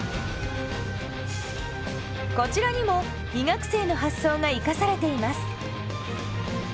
こちらにも医学生の発想が生かされています。